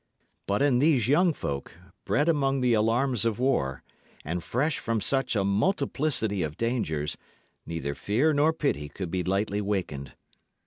But in these young folk, bred among the alarms of war, and fresh from such a multiplicity of dangers, neither fear nor pity could be lightly wakened.